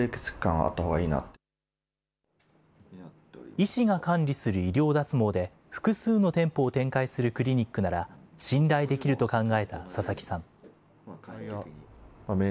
医師が管理する医療脱毛で、複数の店舗を展開するクリニックなら、信頼できると考えた佐々木さん。